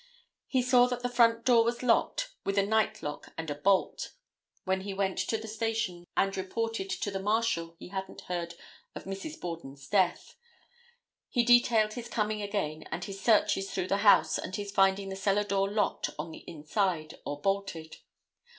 He saw that the front door was locked with a night lock and a bolt. When he went to the station and reported to the Marshall he hadn't heard of Mrs. Borden's death. He detailed his coming again and his searches through the house and his finding the cellar door locked on the inside, or bolted.